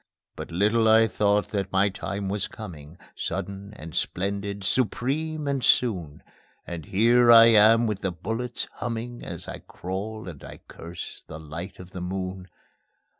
But little I thought that my time was coming, Sudden and splendid, supreme and soon; And here I am with the bullets humming As I crawl and I curse the light of the moon.